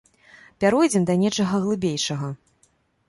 Пяройдзем да нечага глыбейшага.